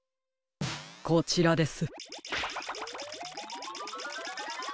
こちらです。